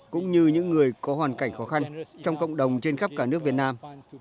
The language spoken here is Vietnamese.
cũng như những người có hoàn cảnh khó khăn trong cộng đồng trên khắp cả nước việt nam